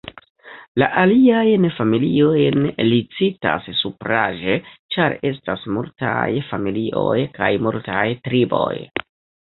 La aliajn familiojn li citas supraĵe, ĉar estas multaj familioj kaj multaj triboj.